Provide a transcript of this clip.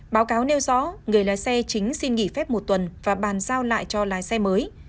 báo cáo nêu rõ người lái xe chính xin nghỉ phép một tuần và bàn giao lại cho lái xe mới